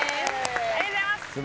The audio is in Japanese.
ありがとうございます。